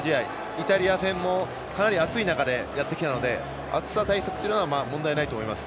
イタリア戦もかなり暑い中でやってきたので暑さ対策っていうのは問題ないと思います。